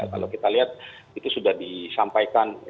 kalau kita lihat itu sudah disampaikan